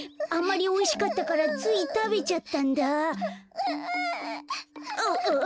あんまりおいしかったからついたべちゃったんだ。